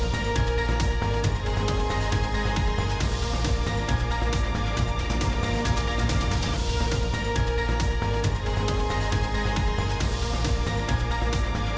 โปรดติดตามตอนต่อไป